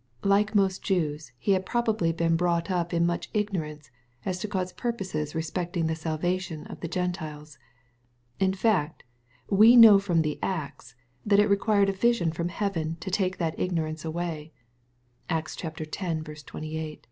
Like most Jews, he bad probably been brought up in much ignorance as to God's purposes respecting the salvation of the Gentiles. In fact, we know from the Acts, that it required a vision from heaven to take that ignorance away. (Acts X. 28.)